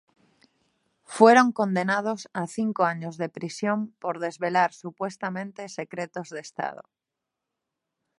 Fueron condenados a cinco años de prisión por desvelar supuestamente "secretos de Estado".